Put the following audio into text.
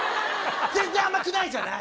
全然あまくないじゃない！